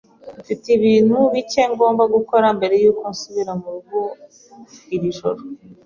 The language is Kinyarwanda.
Mfite ibintu bike ngomba gukora mbere yuko nsubira murugo iri joro.